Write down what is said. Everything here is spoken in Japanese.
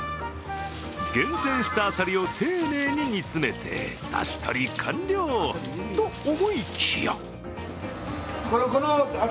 厳選したあさりを丁寧に煮詰めてだし取り完了と思いきや！